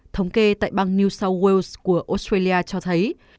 thống kê tại bang new south wales của australia cho thấy